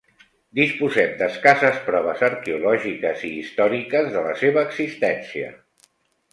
Disposem d'escasses proves arqueològiques i històriques de la seva existència.